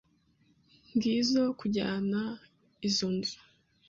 Ngizoe kujyana izoi nzu.